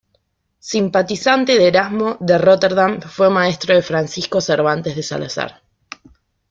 Simpatizante de Erasmo de Róterdam, fue maestro de Francisco Cervantes de Salazar.